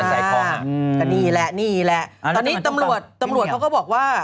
ก็นี่แหละตัวนี้ต่ำรวจบอกว่า